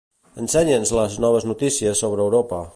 Ensenya'ns les noves notícies sobre Europa.